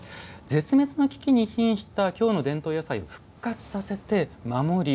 絶滅の危機にひんした京の伝統野菜を復活させて守り